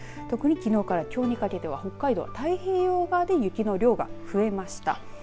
特にきのうからきょうにかけては北海道、太平洋側で雪の量が増えました。